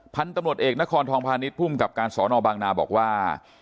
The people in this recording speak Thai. พันธุ์ตำรวจเอกนครทองพาณิชย์ภูมิกับการสอนอบางนาบอกว่า